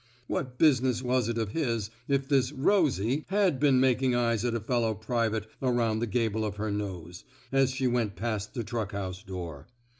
What business was it of his if this Rosie *' had been mak ing eyes at a fellow private around the gable of her nose, as she went past the truck house door.